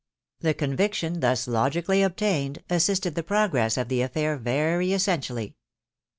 The conviction thus logically obtained assisted the progress of the affair very essentially.